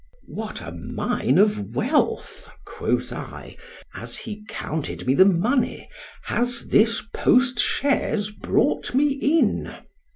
What a mine of wealth, quoth I, as he counted me the money, has this post chaise brought me in?